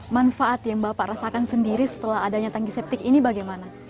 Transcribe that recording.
manfaat yang bapak rasakan sendiri setelah adanya tanki septik ini bagaimana